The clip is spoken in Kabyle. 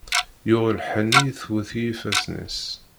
Yuɣ lḥenni i tewwet i yifassen-is.